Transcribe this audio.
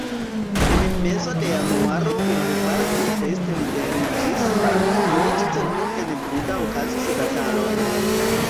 En mezo de januaro urboparto Pest liberiĝis, poste nur en Buda okazis bataloj.